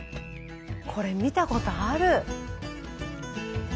これ見たことある。